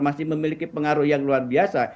masih memiliki pengaruh yang luar biasa